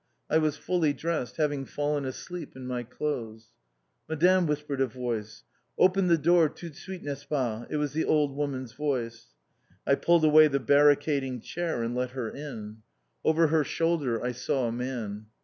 I was fully dressed, having fallen asleep in my clothes. "Madame!" whispered a voice. "Open the door toute suite n'est ce pas." It was the old woman's voice. I pulled away the barricading chair, and let her in. Over her shoulder I saw a man.